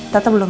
tata belum ya